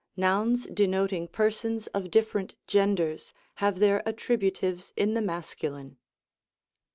Nouns denoting persons of different genders, have their attributives in the masculine.